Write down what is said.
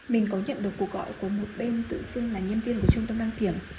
mình có nhận được cuộc gọi của một bên tự xưng là nhân viên của trung tâm đăng kiểm